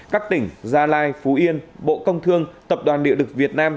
các tỉnh gia lai phú yên bộ công thương tập đoàn địa lực việt nam